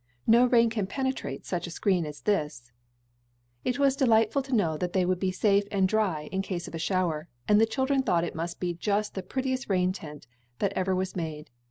No rain can penetrate such a screen as this," It was delightful to know that they would be safe and dry in case of a shower, and the children thought it must be just the prettiest tent that ever was made.